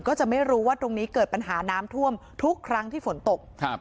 ก็จะไม่รู้ว่าตรงนี้เกิดปัญหาน้ำท่วมทุกครั้งที่ฝนตกครับ